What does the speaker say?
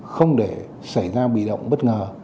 không để xảy ra bị động bất ngờ